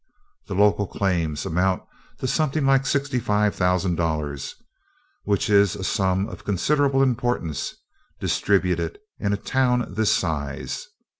"The local claims amount to something like sixty five thousand dollars, which is a sum of considerable importance, distributed in a town of this size.